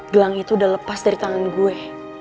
gelang itu udah lepas dari tangan gue